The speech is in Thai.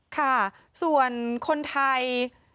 ค่ะส่วนคนไทย